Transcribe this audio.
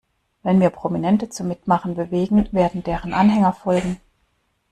Wenn wir Prominente zum Mitmachen bewegen, werden deren Anhänger folgen.